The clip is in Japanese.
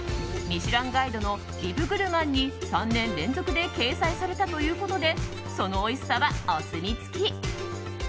「ミシュランガイド」のビブグルマンに３年連続で掲載されたということでそのおいしさはお墨付き。